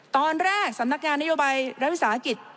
ตอนแรกสำนักงานนโยบายรัฐวิสาหกิจ